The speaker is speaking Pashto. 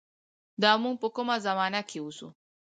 دا مونږ په کومه زمانه کښې اوسو